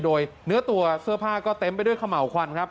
โดยเนื้อตัวเสื้อผ้าก็เต็มไปด้วยเขม่าวควันครับ